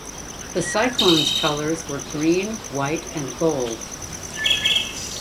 The Cyclones' colours were green, white and gold.